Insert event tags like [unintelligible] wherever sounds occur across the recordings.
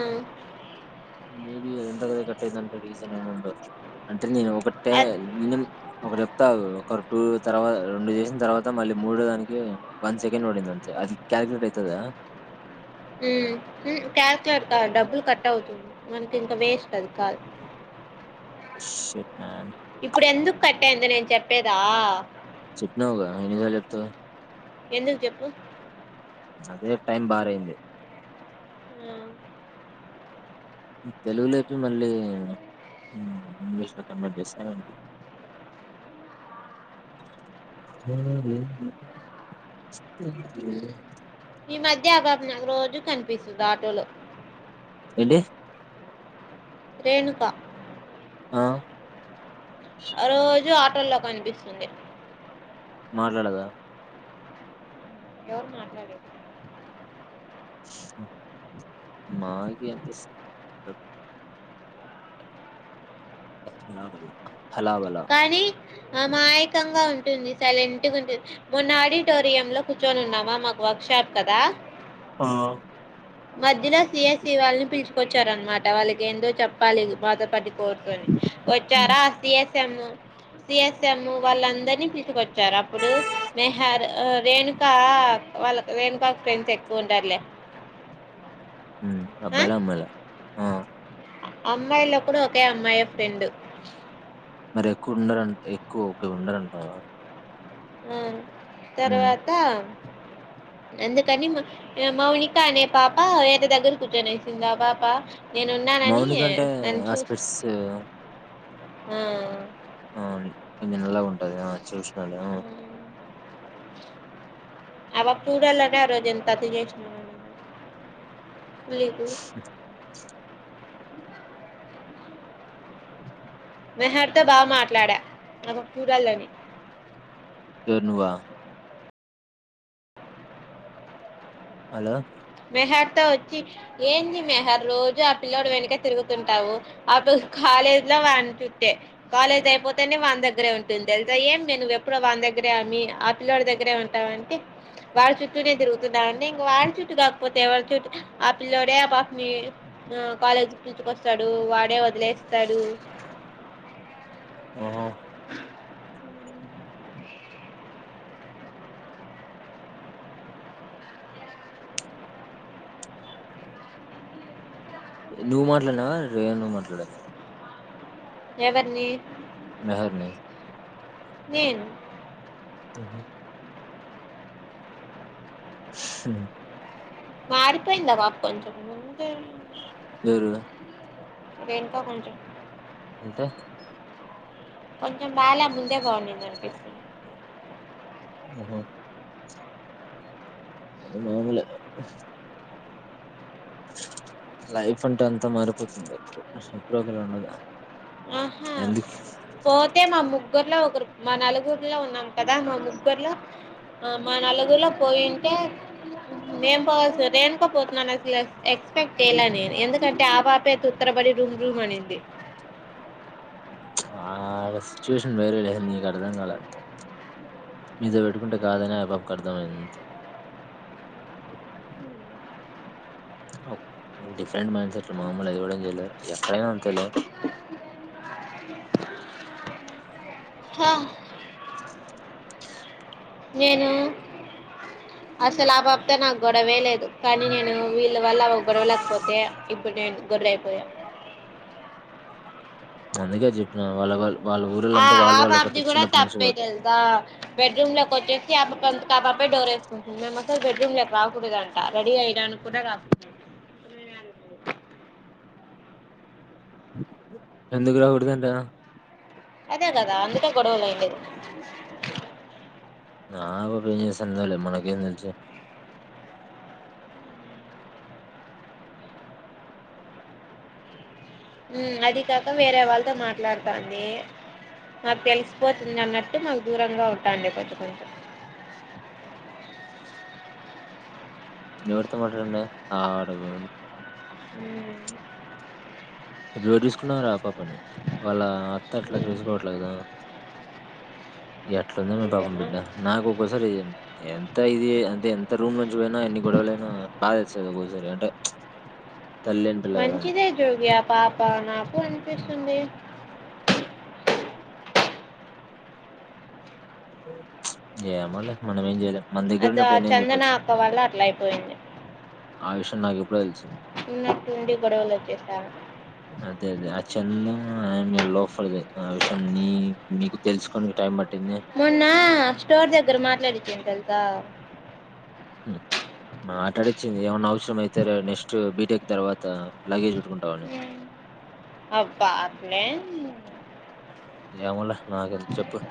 ఆ బేబీ అద ఎంతా కదే కట్టయిందంటే రీజన్ ఏముండదు అంటే నేను కొడ్తే అద్ ఇనం ఒకటి చెప్తా ఆగు ఒకరు టూ తర్వాత రెండు చేసిన తర్వాత మళ్ళీ మూడో దానికి వన్ సెకండ్ పడింది అంతే అది క్యాల్కులేట్ అయితదా హ్మ్మ్ హుమ్ క్యాల్కులేట్ కాదు డబ్బులు కట్ అవుతుంది మనకి ఇంకా వేస్ట్ అది కాదు షట్ మాన్ ఇప్పుడు ఎందుకు కట్టయిందో నేను చెప్పేదా చెప్పినావుగా ఎన్నిసార్లు చెప్తావ్ ఎందుకు చెప్పు అదే టైమ్ బారయింది హ్మ్ తెలుగులో చెప్పి మళ్ళీ ఇంగ్లీషులో కన్వర్ట్ చేస్తారా అండి ఈ మధ్య ఆ పాప నాకు రోజు కనిపిస్తుంది ఆటోలో ఏంటి [unintelligible] రేణుకా ఆ రోజు ఆట్ ఆటోలో కనిపిస్తుంది మాట్లాడదా ఎవరు మాట్లాడేది మాగ అంట [unintelligible] హలావలా కానీ అమాయకంగా ఉంటుంది సైలెంట్గా ఉంటుంది మొన్న ఆడిటోరియంలో కూర్చొని ఉన్నామా మాకు వర్క్ షాప్ కదా ఆ మధ్యలో సిఎస్సీ వాళ్ళని పిలుచుకొచ్చారనమాట వాళ్ళకి ఏందో చెప్పాలి బాధపడి బతు వ చారా అ [unintelligible] వాళ్ళందరినీ తీిసుకొచ్చారు అప్పుడు మెహర్ రేణుకా వాళ్ళ రేణుకా ఫ్రెండ్స్ ఎక్కువ ఉంటారులే [unintelligible] అబ్బాయిల అమ్మాయిల ఆ అమ్మాయిలలో కూడా ఒకే అమ్మాయి ఫ్రెండు మరి ఎక్కువ ఉండర అండ్ ఎక్కువ ఒక ఉండాలంటావా హ్మ్ తర్వాత అందుకని మౌనిక అనే పాప ఎంత దగ్గర కూర్చొనే సిందా పాప నేనున్నానని మౌనిక అంటే ఆస్పెస్ హ ఆ కొంచెం నల్లగా ఉంటది ఆ చూ [unintelligible] సడే [unintelligible] ఆ పాప చూడాలనే ఆ రోజు ఎంత అతి చేసిననో లే లేకు [unintelligible] [inaudible] మెహార్ తో బాగా మాట్లాడా [unintelligible] ఎవరు నువ్వా హలో మెహార్ తో వచ్చి ఏంది మెహార్ రోజు ఆ పిల్లోడు వెనుకె తిరుగుతుంటావు ఆ కాలేజ్ లో వాని చుట్టే కాలేజ్ అయిపోతేనే వాని దగ్గరే ఉంటుంది తెలుసా ఏమి నువ్వు ఎప్పుడు వాని దగ్గరే ఆమ్మి ఆ పిల్లోడి దగ్గరే ఉంటావంటే వాడి చుట్టూనే తిరుగుతున్నావు అంటే ఇంక వాని చుట్టూ కాక పోతే ఎవరు చుట్టు ఆ పిల్లోడే ఆ పాపని కాలేజీ పిలుచుకొస్తాడు వాడే వదిలేస్తాడు ఉ [inaudible] నువ్వు మాట్లాడినవా రేణు మాట్లాడిందా ఎవరిని మెహార్ ని నేను ఉహూ హ్మ్ మారిపోయింది ఆ పాప కొంచము ఎవరు? రేణుకా కొంచం అంటే కొంచం బాల బు ఇట్లనే బావుండింది అనిపిస్తుంది ఉమ్ హూ అది మాములేగా లైఫ్ అంటే అంతా మారిపోతుంది ఎప్పుడు ఒకలా ఉండదు అహా ఎందుకు పోతే మా ముగ్గుర్లో ఒకరు మా నలుగురిలో ఉన్నాం కదా మా ముగ్గురులో ఆ మా నలుగురిలో పోయింటే నేను పోవాల్సి రేణుక పోతుందని అసలు ఎక్స్పెక్ట్ చేయలే నేను ఎందుకంటే ఆ బాపే తుత్తరబడి రూమ్ రూమ్ అనింది ఆడ సిచ్యువేషన్ వేరే లే నీకు అర్థం కాల మీతో పెట్కుంటే కాదని ఆ పాపకు అర్థమయింది అంతే అవ్ డిఫరెంట్ మైండ్ సెట్లు మాములే అది ఎవ్వడు ఏం చేయలేరు ఎక్కడైనా అంతేలే హ నేను అసలు ఆ పాపతో నాకు గొడవే లేదు కానీ నేను వీళ్ళ వల్ల గొడవలకుపోతే ఇప్పుడు నేను గొర్రై అయిపోయాను అందుకే చెప్పిన వాళ్ళ వాళ్ళ్ ఆ ఆ పాపది కూడా తప్పే కాబట్టి తెలుసా బెడ్రూమ్ లకు వచ్చేసి ఆపాప అంతట ఆపాపే డోర్ వేసుకుంటుంది మేము అసలు బెడ్రూమ్ లకు రాకడుదంట రెడీ అయిడానికి కూడా రా ఎందుకు రాకుడుదంట అదే కదా అందుకే గొడవలు అయిండది ఆ పాప ఏం చేస్తుందోలే మనకేం తెలుసు ఉమ్ అది కాక వేరే వాళ్ళతో మాట్లాడతాంది మాకు తెలిసిపోతుంది అన్నట్టు మాకు దూరంగా ఉంటాంది కొంచం కొంచం ఎవరితో మాట్లాడిండే ఆడు ఉమ్ ఇప్పుడు ఎవరు తీసుకున్నరు ఆ పాపని వాళ్ళ అత్త అట్లా చూసుకోవట్లేదా ఎట్లా వుందోనే పాపం ఏమో బిడ్డ నాకు ఒక్కొక్కసారి ఏం దిరా ఇది అంటే ఎంత రూమ్ నుం చి పోయినా ఎన్ని గొడవలైనా బాధ ఏస్తది ఒక్కోసారి అంటే తల్లి లేని పిల్ల కదా అని మంచిదే జోగి ఆ పాప నాకు అనిపిస్తుంది [unintelligible] ఏమోలే మనం ఏం చేయలేం మన దగ్గర అది ఆ ఉన్నప్పు ఏన్నైన చందన చెప్పచ్చు అక్క వల్ల అట్లా అయిపోయింది ఆ విషయం నాకు ఎప్పుడొ తెలుసు ఉన్నట్టుండి గొడవలు వచ్చేసారు అదే అదే ఆ చెందం ఆయ లోపలిద ఆ విషయం నీ మీకు తెలుసుకొని టైం పడ్ మొన్న స్టోర్ దగ్గర మాట్లాడిచ్చే తల్ ఆ ఆట ఆడిచ్చింది ఏమన్నా అవసరం అయితే రె నెక్స్ట్ బీటెక్ తర్వాత లగేజ్ పెట్టుకుంటావని అబ్బా అట్లే ఏమొలె నాకెం చెప్పు ఆ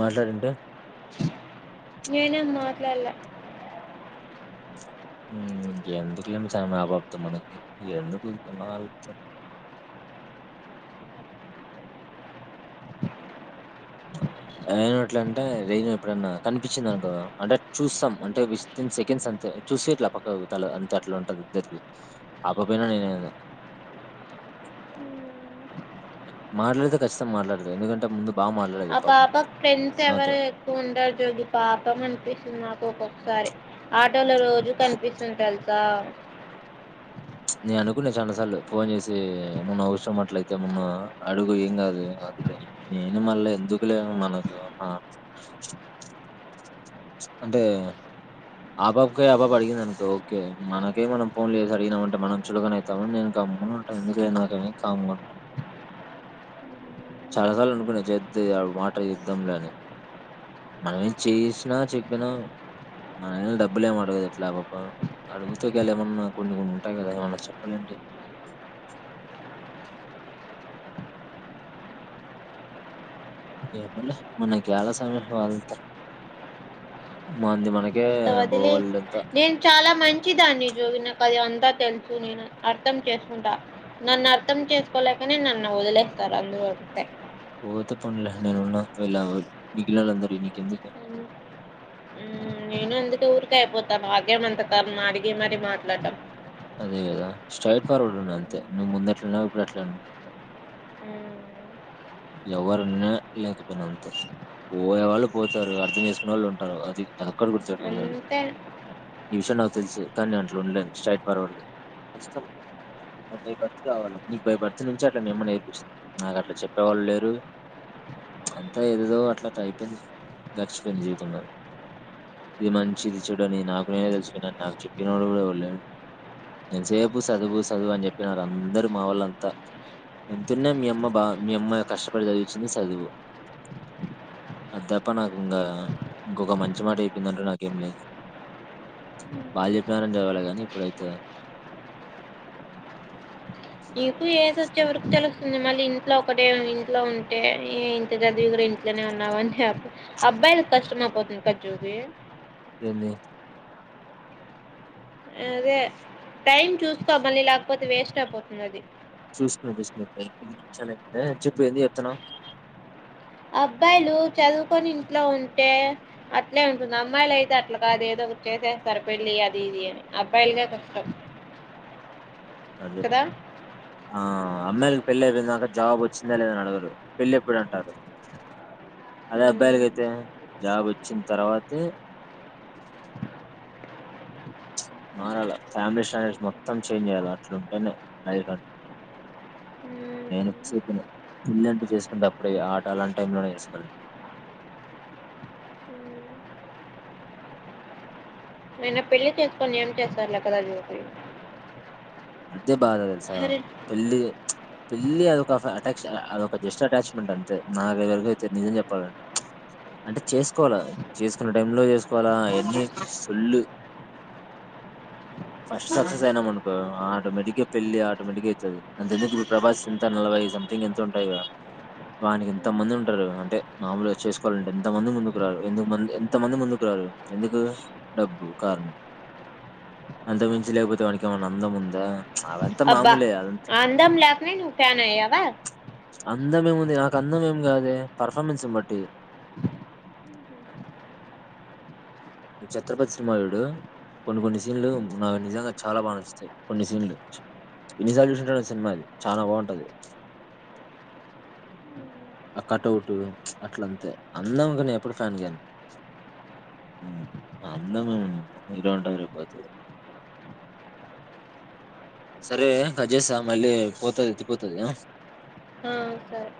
మాట్లాడింటే నేనెం మాట్లాల్లె ఎందుకులేం స ఆ పాప్ తొ మనకి ఎందుకుత అయిను ఎట్ల అంటే నేను ఎప్పుడైన్నా కనిపించింద అనుకో అంటే చూస్తం అంటే విత్న్ సెకండ్స్ అంతే చూసట్లా పక్క తల అంతే అట్లా ఉంటది ఇద్దరిది ఆ పాప అయిన నేన్ అయిన మాట్లాడితే ఖచ్చితంగా మాట్లాడుత ఎందుకంటే ముందు బాగా ఆ మాట్లాడేది పాపం పాప ఫ్రెండ్స్ నాతో ఎవరు ఎక్కువ ఉండరు జోగి పాపం అనిపిస్తుంది నాకు ఒక సరే ఆటోలో రోజు కనిపిస్తుంది తెలుసా నే అనుకున్నా చాలా సార్లు ఫోన్ చేసి మొన్న అవసరం అట్లయితే మన్న అడుగు ఏం కాదు అదిదని నేను మళ్ళా ఎందుకులే మనకు చి అంటే ఆ పాపకే ఆ పాప అడిగింది అనుకో ఓకే మనకే మనం ఫోన్లు చేసి అడిగినమంటే మనం చులకన అయితామని నేను క గమ్నునుంటాను ఎందుకే నాక్ అని కామ్ చాలా సార్లు అనుకున్నా చే వాటర్ యుద్ధంలోని మనమేం చేసి నా చెప్పినా మననా డబ్బులు ఏమ అడగదు ఎట్లా బప అడుగుత వెళ్ళ ఏమన్నా కొన్ని కొన్ని ఉంటాయి కదా ఏమన్నా చెప్పాలంటి ఏమోలే మనకి యాల సామి వాళ్లతో మంది మనకి అంత వదిలెయి నేను చాలా మంచిదాన్ని జోగినకు అది అంత తెలుసు నేను అర్థం చేసుకుంటా నన్ను అర్థం చేసుకోలేకనే నన్ను వదిలేస్తారు అందరూ అంతే పోతే పోన్లే నేను ఉన్నా వెళ్ళ మిగిలాల అందరిు నీక్ ఎందుకు ఉమ్, నేను అందుకే ఊరిక అయిపోతాను నాకేం అంత కర్మ అరిగే మరి మాట్లాడ్డం అదే కదా స్ట్రైట్ ఫార్వడ్ ఉన్నా అంతే నువ్వు ముందు ఎట్లన్నావు ఇప్పుడు అట్లే ఉండు ఉమ్. ఎవరున్నా లేకపోయినా అంతే పోయే వాళ్ళు పోతారు అర్థం చేసుకునే వాళ్ళు ఉంటారు అది అదొక్కటి గు పెట్టుకో అంతే. ఈ విషయం నాకు తెలుసు కానీ నేను అట్లు ఉండలేను స్ట్రైట్ ఫార్వర్డ్ం కష్టం బై బర్త్ కావాలా నీకు బై బర్త్ నుంచి అట్లా మీ అమ్మ నేర్పిస్తుాంది నాకు అట్లా చెప్ప ఎ వాళ్ళు లేరు అంతా ఎదదో అట్లా త అయిపోయింది గడిచిపోయింది జీవితంలో ఇది మంచి ఇది చెడు అని నాకు నేనే తెలుసుకున్నా నాకు చెప్పినోడు కూడాళ్ళడు నేసేపు చదువు చదువు అని చెప్పినారు అందరు మా వాళ్ళ అంతా ఎంతున్నా మీ అమ్మ బా మీ అమ్మాయి కష్టపడి సదివిచ్చింది సదువు అది తప్ప నాకు ఇంకా ఇంకొక మంచి మాట అయిపోయిందంటే నాకేం లేదు వాళ్ళు చెప్పినారని చదాలి కాని ఇప్పుడైతే ఇపు ఏదొ చివరికి తెలుస్తుంది మళ్ళీ ఇంట్లో ఒకటే ఇంట్లో ఉంటే ఇంత చదివి కూడా ఇంట్లోనే ఉన్నావుని అబ్బాయి కష్టం అయిపోతుంది క జోగి ఏంది అదే టైం చూసుకో మళీ లేకపోతే వేస్ట్ అయిపోతుంది అది చూసుకున్నా చూసుకున్నాప్పు ఇప్పుడే ఐదు నిమిషాలు అయింది లే చెప్ప ఏంది చెప్తున్నావ్ అబ్బాయిలు చదువుకొని ఇంట్లో ఉంటే అట్లే ఉంటుంది అమ్మాయిలు అయితే అట్లా కాదు ఏదో ఒక చేసేస్తారు పెళ్లి అది ఇది అని అబ్బాయిలాకే కష్టం అదే కదా ఆ అమ్మాయిలకి పెళ్ళి అయిపోయిందాక జాబ్ వచ్చిందా లేదని అడగరు పెళ్ళి ఎప్పుడు అంటారు. అదే అబ్బాయిలకి హ్మ్. అయితే జాబ్ వచ్చిన తర్వాతే, మారాల ఫ్యామిలీ స్టాండర్స్ మొత్తం చేంజ్ చెయ్యాల, అట్లుంటేనే లైఫ్ హ్మ్. హ్మ్. నేను పిక్స్ అయిపోనా పెళ్ళి అంటూ చేసుకుంటే అప్పుడే ఆట అలాంటి టైం లోనే చేసుకోవాలన్. అయినా పెళ్లి చేసుకోని ఏం చేస్తారులే కదా జోగి అద్ దే బాధ తెలుసా పెళ్లి ప్చ్ పెళ్లి అదొక అఫ్ అటాక్ష అ అదొక జస్ట్ అటాచ్ మెంట్ అంతే, నాకుగనుక అయితే నిజం చెప్పాలంటే ప్చ్ అంటే చేసుకోవాల చేసుకున్న టైం లో చేసుకోవాలా అయన్ని ఫుల్ల్ ఫస్ట్ సక్సెస్ అయినాం అనుకో, ఆటోమేటిక్ గా పెళ్ళి ఆటోమేటిక్గా అయితది. అంత ఎందుకు ప్రభాస్ ఎంత నలభై సంథింగ్ ఎంత ఉంటాయి వా వానికి ఎంత మంది ఉంటారు. అంటే మామూలుగా చేసుకోవాలంటే ఎంతమంది ముందుకు రారు ఎందుకు ఎంతమంది ముందుకు రారు ఎందుకు డబ్బు కారణం అంత మించి లేకపోతే వానికి ఏమనా అందం ఉం దా అబ్బా అందం లేకనే నువు ఫ్యాన్ అయ్యావా అందం ఏముంది నాకు అందం ఏం కాదు, పర్ఫార్మెన్స్ ను బట్టి ఛత్రపతి సినిమా చూడు కొన్ని కొన్ని సీన్లు నాకు నిజంగా చాలా బాగా నచ్చుతాయి. కొన్ని సీన్లు ఎన్నిసార్లు చూసుంటానో సినిమా అది చానా బాగుంటది. ఆ కటౌట్ ప్చ్ అట్లా అంతే అందం కి నేను ఎప్పుడు ఫ్యాన్ని కాను, మ్మ్ అందం ఏం ఉంది ఈరోజు ఉంటాది రేపు పోతాది, సరే కట్ చేస్తా మళ్ళీ పోతది ఎత్తిపోతది ఆ. ఆ! సరే.